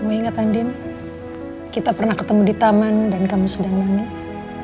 kamu ingat andin kita pernah ketemu di taman dan kamu sudah nangis